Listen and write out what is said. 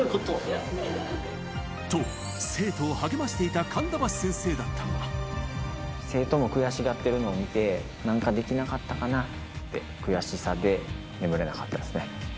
と、生徒を励ましていた神田生徒も悔しがっているのを見て、なんかできなかったかなって悔しさで、眠れなかったですね。